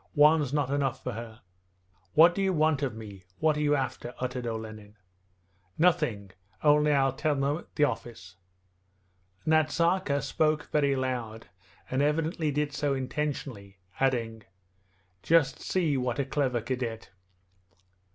One's not enough for her.' 'What do you want of me, what are you after?' uttered Olenin. 'Nothing; only I'll tell them at the office.' Nazarka spoke very loud, and evidently did so intentionally, adding: 'Just see what a clever cadet!'